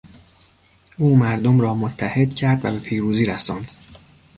او مردم را متحد کرد و به پیروزی رساند.